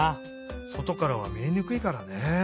そとからはみえにくいからね。